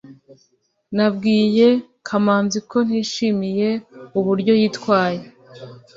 nabwiye kamanzi ko ntishimiye uburyo yitwaye